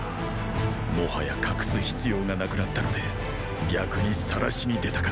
もはや隠す必要がなくなったので逆にさらしに出たか。